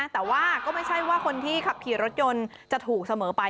แต่ว่าก็ไม่ใช่ว่าคนที่ขับขี่รถยนต์จะถูกเสมอไป